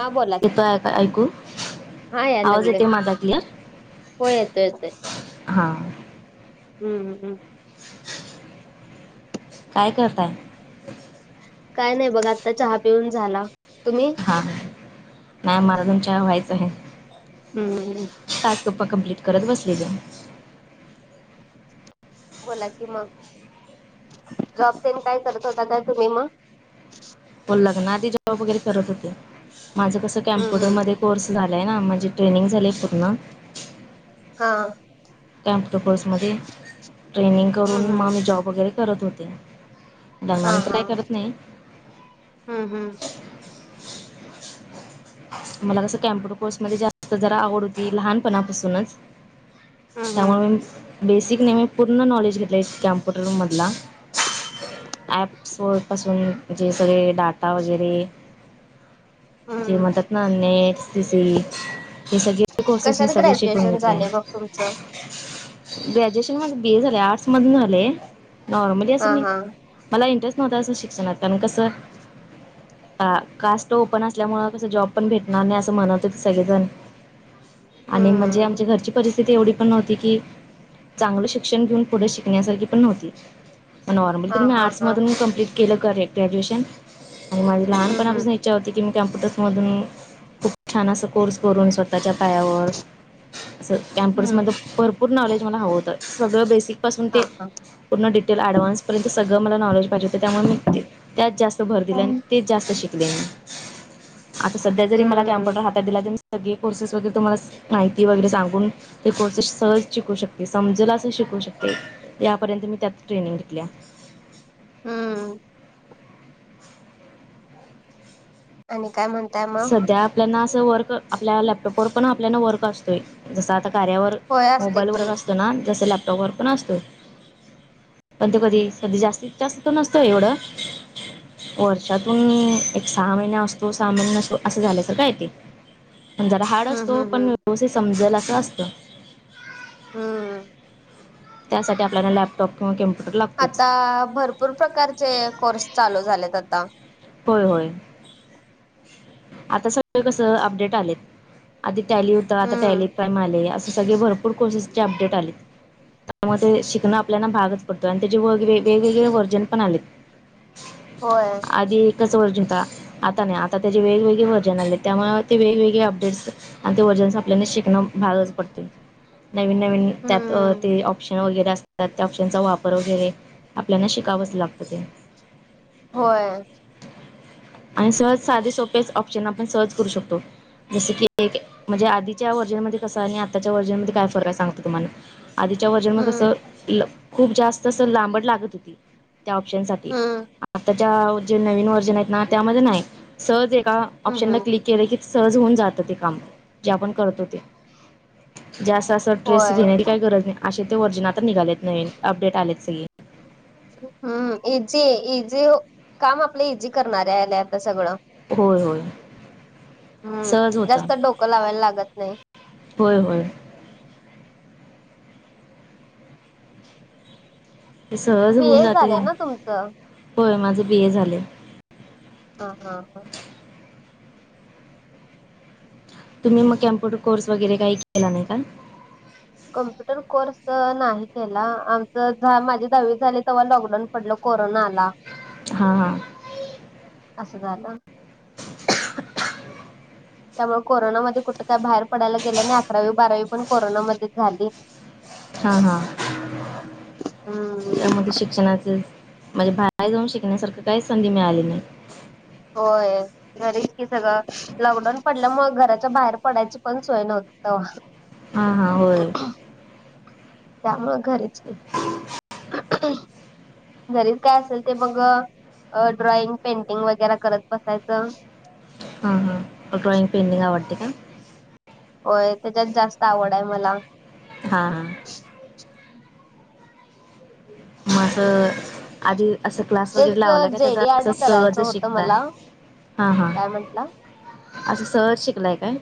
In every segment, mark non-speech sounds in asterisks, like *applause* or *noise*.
हा बोला येतय आता ऐकू हा यायला आवाज लागलंय. येतोय माझा क्लियर हो येतोय येतोय हा हम्म हम्म काय करताय? काय नाही बघ आता चहा पिऊन झाला तुम्ही? हां हा नाही माझा अजून चहा व्हायचा आहे. हम्म हम्म टास्क प कंप्लीट करत बसलेले बोला कि मग जॉब तेन काय करत होता काय तुम्ही मग हो लग्ना आधी जॉब वगैरे करत होते माझं कसं हम्म हम्म कॅम्प्युटरमध्ये कोर्स झालाय ना म्हणजे ट्रेनिंग झालये पूर्ण हा कम्प्युटर कोर्स मधे ट्रेनिंग हम्म करून हम्म म मी जॉब वगैरे करत होते. हा लग्नानंतर हा काही करत नाही. हम्म हम्म मला कसं कॅम्प्युटर कोर्स मध्ये जास्त जरा आवड होती लहानपणापासूनच हम्म हम्म. त्यामुळ मी बेसिक नाही मी पूर्ण नॉलेज घेतलंय कॅम्प्युटर मधला ॲप्स व पासून म्हणजे सगळे डाटा वगैरे ते हम्म म्हणतात ना नेट सी सी हे सगळे ते कोर्सेस मी कशात सगळे शिकून ग्रॅज्युएशन घेतले. झालंय मग तुमचं? ग्रॅज्युएशन माझ बीए झालंय आर्टस मधून झालय नॉर्मली हा असं मी हा मला इंटरेस्ट नव्हता अस शिक्षणात अन कसं अ कास्ट ओपन असल्यामूळ कस जॉब पण भेटणार नाही अस म्हणत होते सगळे जण आणि म्हणजे हम्म आमच्या घरची परिस तिथी एवढी पण नव्हती की चांगलं शिक्षण घेऊन पुढे शिकण्यासारखी पण नव्हती. नॉर्मल हा तरी मी हा आर्टस हा मधून कॉम्प्लेट केलं करे ग्रॅज्युएशन आणि माझे हम्म हम्म लहानपणापासून इच्छा होती की मी कॅम्प्युटर्स मधून खूप छान अस कोर्स करून स्व स्वतःच्या पायावर असं कम्प्युटर्स हम्म मधलं भरपूर नॉलेज मला हवं होतं सगळं बेसिक पासून हा ते हा. पूर्ण डिटेल ॲडव्हान्सपर्यंत सगळंला मला नॉलेज पाहिजे तर त्यामुळे मी त्या त्यात जास्त भर दिल आणि हम्म तेच जास्त शिकले मी आता सध्या जरी मला कॅम्प्युटर हातात दिला तरी सगळे कोर्सेस वगैरे तुम्हाला माहिती वगैरे सांगून ते कोर्सेस सहज शिकू शकते समजेल अस शिकू शकते. यापर्यंत मी त्यात ट्रेनिंग घेतलिया. हम्म आणि काय म्हण सध्या आपल्याना असं वर्क आपल्या लॅपटॉपवर पण आपल्यालना वर्क असतोय जस आता कार्यावर होय असते मोबाईलवर की असतो ना जसं लॅपटॉपवर पण असतोय. पण त्यो कधी कधी जास्तीत जास्त नसतोय एवढं वर्षातून एक सहा महिने असतो सहा महीने असं झालतर काय ते पण जरा हार्ड हम्म असतो हम्म पण हम्म व्यवस्थित समजल असं असतं. हम्म त्यासाठी आपल्याला लॅप टॉप किंव्हा कम्प्युटर लाग आता भरपूर प्रकारचे कोर्स चालू झालेत आता. होय होय. आता सगळं कस अपडेट आलेत आधी टॅली होत आता हम्म टॅली प्राईम आले. सगळे भरपूर कोर्सेसचे अपडेट आलेत. त्यामुळे ते शिकणं आपल्याला भागच पडत आणि त्याचे वगरे वेगवेगळे वर्जन पण आलेत. होय. आधी एकच व्हर्ज होता आता नाही आता त्याचे वेगवेगळे व्हर्जन आले त्यामुळे ते वेगवेगळे अपडेट्स आणि ते वर्जनस आपल्याने शिकणं भागच पडते. नवीन नवीन त्यात अ हम्म ते ऑप्शन वगैरे असत त्या ऑप्शनचा वापर वगैरे आपल्याना शिकावच लागत ते. होय आणि सहज साधे सोपेच ऑप्शन आपण सहज करू शकतो. जस की एक म्हणजे आधीच्या व्हर्जन मध्ये कसं आणि आताच्या वर्जन मध्ये काय फरक आहे सांगते तुम्हाला आधीच्या वर्जन मध्ये हम्म कसं खूप जास्त अस लांबट लागत होती. त्या ऑप्शन साठी हम्म आताच्या जे नवीन व्हर्जन आहेत ना त्यामध्ये नाही सहज एका हम्म ऑप्शनला हम्म नकली केलं की सहज होऊन जात ते काम जे आपण करतो ते ज्या अस अस तर ट्रेस होय. घेण्याची काही गरज नाही असे ते वर्जिन आता निघालेत नवीन अपडेट आलेत सगळे. हम्म इझी इझी काम आपलं इझी करणारे आले आता सगळं. होय होय हम्म सहज होतं जास्त डोकं लावायला लागत नाही. होय होय ते सहज बी होऊन ए जाते झालंय ना तुमचं? होय माझ बी ए झाले. हा हा हा तुम्ही मग कम्प्युर कोर्स वगैरे काही केला नाही का? कम्प्युटर कोर्स नाही केला आमच जा माझी दहावी झाले तेव्हा लॉकडाऊन पडल कोरोनाला आला. हा- हा असं झालं *unintelligible* त्यामुळे कोरोनामध्ये कुठं, काय, बाहेर, पडायला गेलं नाही. अकरावी -बारावी पण कोरोनामध्ये झाली. हा- हा हम्म त्यामध्ये शिक्षणाचे माला बाहेर जाऊन शिकण्यासारखी काहीच संधी मिळाली नाही होय घरीच कि सगळं. लॉकडाऊन पडल्यामुळ घराच्या बाहेर पडायची पण सोय नव्हती तवा. हा हा होय त्यामुळें घरीच हम घरीच काय असेल ते बग ड्रॉइंग पेंटिंग वगैरे करत बसायचं. हा हां ड्रॉईंग पेंडीग आवडते का? होय त्याच्यात जास्त आवड आहे मला. हां- हां मगं आधी असं क्लास तेच वगैरे लावला का? त्याचा जेडी आर्ट अस सहज करायचं होतं शिकता? मला हा -हा काय म्हंटला? असं सहज शिकलाय काय?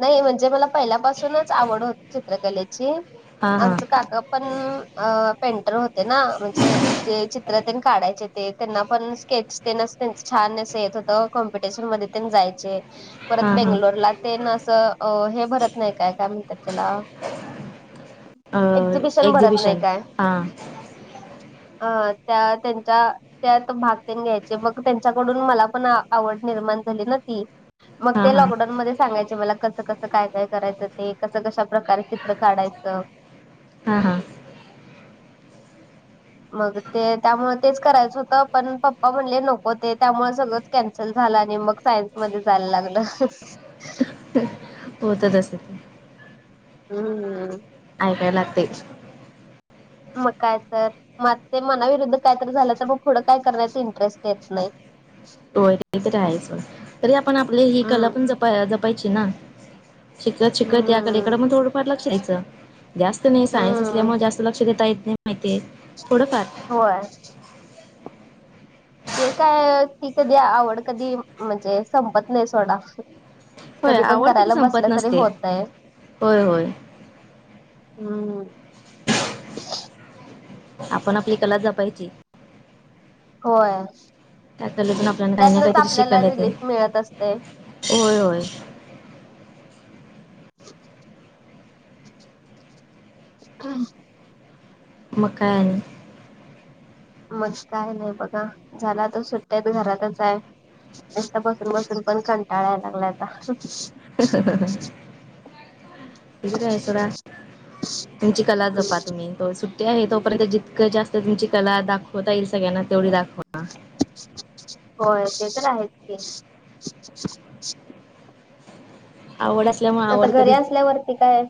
नाही, म्हणजे मला पहिल्यापासूनच आवड होती चित्रकलेची. हां हां आमचं काका पण...... अ पेंटर होते ना म्हणजे चित्र काढायचे ते त्यांना, पण स्केच ते त्यांन च छान असं येत होतं कॉम्पिटिशन मध्ये जायचे..... परत हां बेंगलोर ला ते -नाशिक- अ हे भरत नाही काय... काय म्हणतात त्याला? हां एक्झिबिशन भरत नाही काय? हां अ.... त्या त्यांच्या त्यात भाग ते घ्यायचे, मग त्यांच्याकडून मला पण आवड निर्माण झाली ना ती मग हां ते हां लॉकडाऊन मध्ये सांगायचे मला कसं- कसं काय- काय करायचं ते कसं, कशा, प्रकारे चित्र काढायचं हा, हां. मग ते त्यामुळे, तेच करायचं होतं. पण पप्पा म्हणले नको, ते त्यामुळे सगळंच कॅन्सल झालं आणि मग सायन्स मध्ये जायला लागलं. *unintelligible* *unintelligible* होतं, तसं पण. हम्म. ऐकायला लागतय. मग काय तर. मग आता ते मनाविरुद्ध काहीतरी झालं. तर मग पुढे काही करण्याचा इंटरेस्ट येत नाही. होय, ते तर आहेच होय. तरी आपण आपली ही कला हम्म पण जपा -जपायची ना. शिकत- शिकत या कलेकडं, हम्म. मग थोडफार लक्ष द्यायचं. जास्त नाही, सायन्स हम्म. असल्यामुळे जास्त लक्ष देता येत नाही. माहितेय. थोडंफार होय. ते काय, ती कधी, आवड कधी, म्हणजे संपत नाही, सोडा. होय कधी पण आवड कधी करायला संपत बसलं तरी नसते. होतय. होय होय हम्म. *unintelligible* आपण आपली कला जपायची. होय. त्या कलेतून आपल्याला काही ना त्यातनच काहीतरी आपल्याला रिलीफ मिळत असतय. होय-होय. *unintelligible* *unintelligible* मग काय आणि. मस्त, हाय नाही बघा. झाला आता सुट्ट्यात घरातच हाय. नुसतं बसून - बसून पण कंटाळा यायला लागलाय आता. *unintelligible* *unintelligible* तर आहे सोडा. तुमची कला जपा हम्म. तुम्ही. त सुट्टी आहे तोपर्यंत, जितकं जास्त तुमची कला दाखवता येईल सगळ्यांना तेवढी दाखवा. होय. ते तर आहेच की. आवड असल्यामुळे त आता आवड घरी कधीच असल्यावरती काय?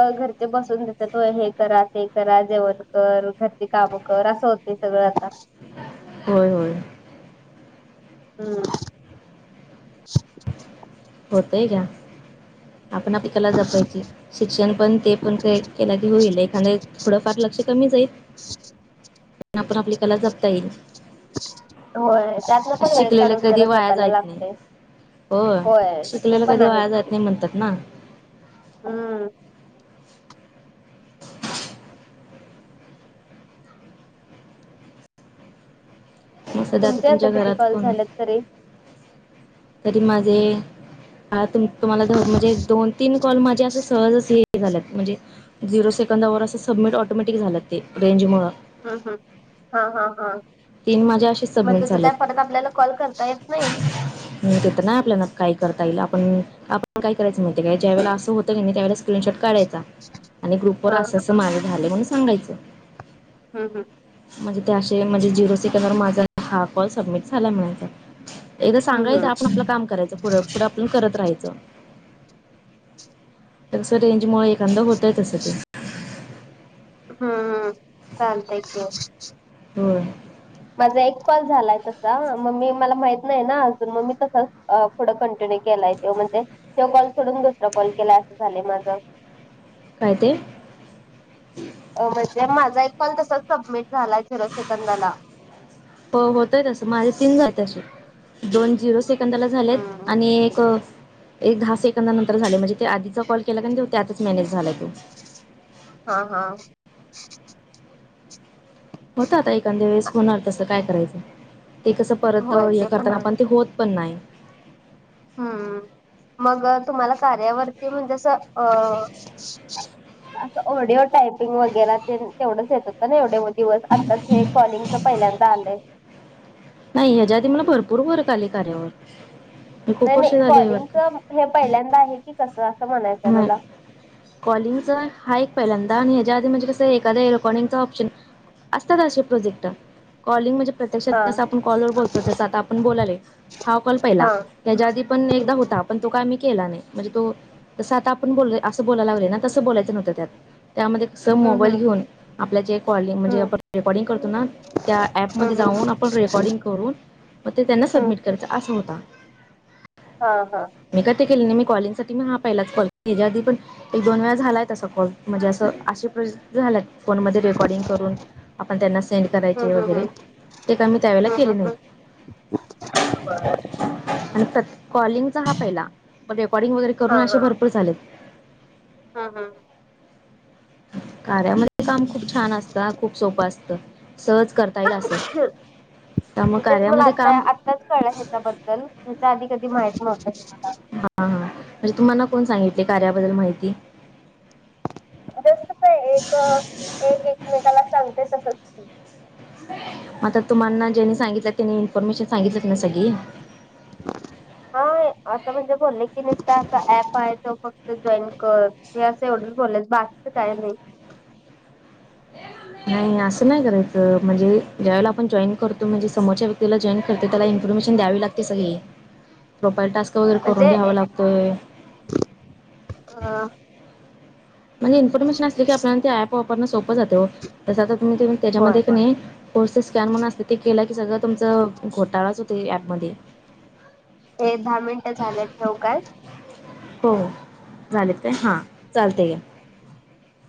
अ घरचे बसून देतेत व्हय? हे करा, ते करा. जेवण कर. घरची कामं कर. असं होत. हे सगळं आता. होय-होय. हम्म. होतय घ्या, आपण आपली कला जपायची. शिक्षण पण, ते पण, के केलं की होईल. एखादं थोडं फार लक्ष कमी जाईल. *inaudible* आपण आपली कला जपता येईल. होय. त्यातन पण वेळ शिकलेलं काढून जरा कधी वाया जपायला जात नाही लागतय. हो होय. ते शिकलेलं पण कधी आहेत वाया की. जात नाही म्हणतात ना हम्म. मग सध्या तुमचे आता तुमच्या किती घरात कॉल कोण झालेत, तरी. तरी माझे आ तुम - तुम्हाला धर म्हणजे दोन- तीन कॉल माझे असं सहजच हे झाल्यात. म्हणजे झिरो सेकंदावर असं सबमिट ऑटोमॅटिक झालं, ते. रेंज मुळं. हम्म- हम्म. हा, हा, तीन माझ्या हा. असे मग सबमिट तेच काय, झाल्यात परत आपल्याला कॉल करता येत नाही? ते तर नाही, आपल्याला काय करता येईल. आपण आपण काय करायचं नाही. *unintelligible* काय ज्यावेळेला असं होत क नाही. त्यावेळेला स्क्रीनशॉट काढायचा. आणि ग्रुपवर हा आसं - आसं माझं झालय, म्हणून सांगायचं. हम, हम. म्हणजे त्या अशे, म्हणजे झिरो सेकंदावर, माझा हा कॉल सबमिट झालाय म्हणायचा. एकदा हम्म सांगायचं. हम्म आपण आपलं काम करायचं. पुढं. पूडं आपण करत राहायचं. तस रेंजमुळे एखांद होत. त्या तसाठीं ते हम्मम् चालत क हो माझा एक कॉल झालाय तसा मम्मी मला माहित नाही ना अजून मम्मी तसंच अ पुढं कंटिन्यू केलाय तो म्हणजे ते कॉल सोडून दुसरं कॉल केलाय असं झालं माझं काहि तेे म्हणजे माझा एक कॉल तसा सबमिट झाला झिरो सेकंदाला प होतय असं माझे तीन जात अस दोन जिरो सेकंदाला झालेत हम्म आणि एक एक दहा सेकंद नंतर झाले म्हणजे ते आधीचा कॉल केला को त्यातच मॅनेज झालाय तो हा हा होत आता एखाद्या वेळेस होणार तसं काय करायचं ते कसं परत होय हे ते पण करताना आहे आपण ते होत उत् पन् नाही हम् मग तुम्हाला कार्यावरती म्हणजे असं अ असं ऑडिओ टायपिंग वगैरे ते तेवढंच येत होतं ना एवढे दिवस आता हे कॉलिंगच पहिल्यांदा आलंय नाही ह्याच्या आधी मला भरपूर फरक आली कार्यावर मी नाही खूप वर्ष नाही झाले कॉलिंगच वर्क हे पहिल्यांदा आहे की कसं असं म्हणायचं आहे नाही मला कॉलिंगचा हा एक पहिल्यांदा आणि ह्याच्या आधी म्हणे कसं एखाद्या इलेक्ट्रॉनिक चा ऑप्शन असत का असे प्रोजेक्ट कॉलिंग म्हणजे प्रत्यक्षात हा जस आपण कॉल वर बोलतो जस आता आपण बोलाले हा कॉल पहिला हा त्याच्या आधी पण एकदा होता पण तो काय मी केला नाही म्हणजे तो तसं आता आपण बोल असं बोलायला लागले ना तसं बोलायचं नवतं त्यात त्यामध्ये अस हम् मोबाईल हम घेऊन आपल्याचे कॉलिंग म्हणजे आपण हम रेकॉर्डिंग करतो ना त्या ऍपमध्ये हम हम जाऊन आपण रेकॉर्डिंग करून मग ते त्यांना हम सबमिट करचं असा होता हा हा मी का ते केले नाही मी कॉलिंग म ह पहिला कॉल हच्या आधी पण एक दोन वेळा झालायत असा कॉल म्हणजे असं अशे प झालाय फोनमध्ये रेकॉर्डिंग करून आपण त्यांना सेंड करायचे हम हम वगैरे हम ते का मी त्यावेळेला केले नाही ह आणि कॉलिंगचा हा पहिला पण रेकॉर्डिंग वगरे करून असे भरपर झालेत हा हा कार्यामध्ये काम खूप छान असतं खूप सोपं असतं सहज करता येईल असत तर मग कार्यामध्ये काम कळ ह्याच्याबद्दल ह्याच्या आधी कधी माहित नव्हतं तुम्हाला हा हा म्हणजे तुम्हाना कोण सांगितले कार्याबद्दल माहिती जस काय एक एक एकमेकाला सांगते तसच की ह म आता तुम्हाना जेनी सांगितलं त्यानी इन्फॉर्मेशन सांगितलंत ना सग हा असं म्हणजे बोलले की नसत असा ऍप आहे तो फक्त जॉईन कर हे असं एवढंच बोललंयच बाकीचं काय नाही नाही असं नाही करायचं म्हणजे ज्यावेळेला आपण जॉईन करतो म्हणजे समोरच्या व्यक्तीला जॉईन करते त्याला इन्फॉमेन द्यावी लागते सगळी *inaudible* *unintelligible* प्रोपााईल टास्क वगैरे करून घ्यावा लागतोय हा म्हणजे इन्फॉर्मेशन असली की आपल्याला प वापरणं सोपं जातेो जस आ तुम् होय त्याच्यामध्ये नाही कोड स्कॅन म्हण असते ते केला की सगळं तुमचा घोटाळाच होत ऍपमध्ये हे दहा मिनटं झालेत ठवकच हो झाले ते हा चालते या